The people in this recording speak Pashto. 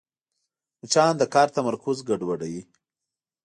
مچان د کار تمرکز ګډوډوي